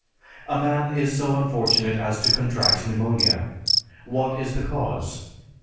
A man is so unfortunate as to contract pneumonia. What is the cause?